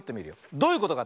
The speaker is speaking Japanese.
どういうことかって？